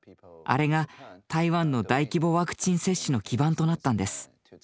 あれが台湾の大規模ワクチン接種の基盤となったんです。